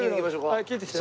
はい聞いてきて。